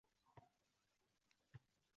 Ularga yashash uchun asosiy shartlar kerak